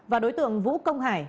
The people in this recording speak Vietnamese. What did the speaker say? và đối tượng vũ công hải